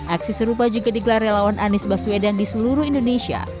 aksi serupa juga digelar relawan anies baswedan di seluruh indonesia